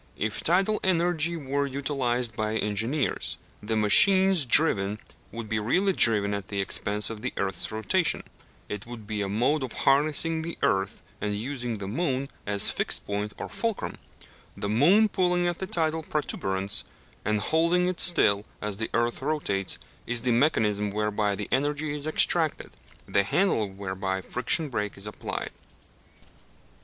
If tidal energy were utilized by engineers, the machines driven would be really driven at the expense of the earth's rotation: it would be a mode of harnessing the earth and using the moon as fixed point or fulcrum; the moon pulling at the tidal protuberance, and holding it still as the earth rotates, is the mechanism whereby the energy is extracted, the handle whereby the friction brake is applied.